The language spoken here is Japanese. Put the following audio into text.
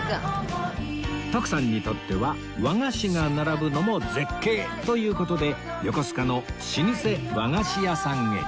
徳さんにとっては和菓子が並ぶのも絶景という事で横須賀の老舗和菓子屋さんへ